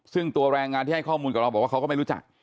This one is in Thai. ซึ่งตัวแรงงานที่ให้ข้อมูลกับเราบอกว่าเขาก็ไม่รู้จัก